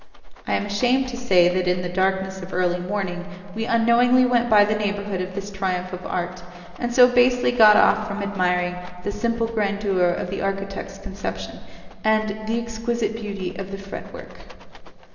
I am ashamed to say that in the darkness of the early morning we unknowingly went by the neighbourhood of this triumph of art, and so basely got off from admiring "the simple grandeur of the architect's conception," and "the exquisite beauty of the fretwork."